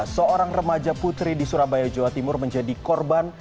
seorang remaja putri di surabaya jawa timur menjadi korban